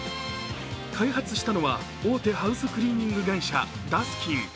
開発したのは、大手ハウスクリーニング会社、ダスキン。